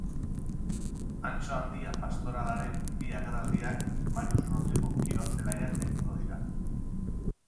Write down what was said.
Antso Handia pastoralaren bi agerraldiak Marius Rodrigo kirol zelaian egingo dira.